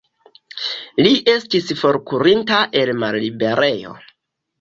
Li estis forkurinta el malliberejo.